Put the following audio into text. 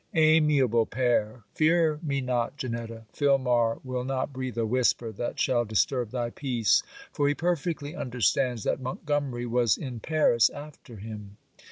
_ Amiable pair! Fear me not, Janetta. Filmar will not breathe a whisper that shall disturb thy peace; for he perfectly understands that Montgomery was in Paris after him.